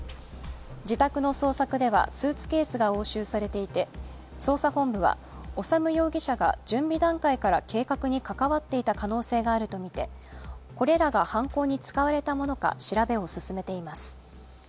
自宅の捜索ではスーツケースが押収されていて捜査本部は修容疑者が準備段階から計画に関わっていた可能性があるとみてこれらが犯行に使われたものか調べを進めています。